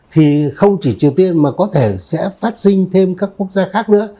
thì không chỉ triều tiên mà có thể sẽ phát sinh thêm các quốc gia khác nữa